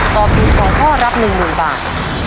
ตอบถูก๒ข้อรับ๑๐๐๐บาท